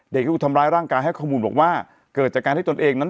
ถูกทำร้ายร่างกายให้ข้อมูลบอกว่าเกิดจากการที่ตนเองนั้น